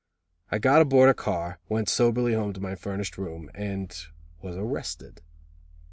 I got aboard a car, went soberly home to my furnished room, and was arrested.